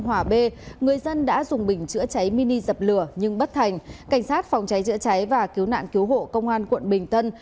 hòa bê người dân đã dùng bình chữa cháy mini dập lửa nhưng bất thành cảnh sát phòng cháy chữa cháy và cứu nạn cứu hộ công an quận bình tân